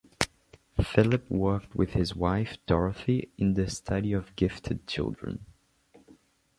Philip worked with his wife, Dorothy, in the study of gifted children.